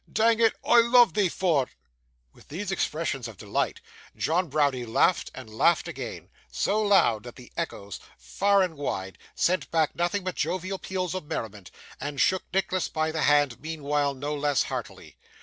Dang it, I loov' thee for't.' With these expressions of delight, John Browdie laughed and laughed again so loud that the echoes, far and wide, sent back nothing but jovial peals of merriment and shook Nicholas by the hand meanwhile, no less heartily.